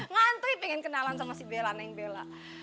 ngantri pengen kenalan sama si bella neng bella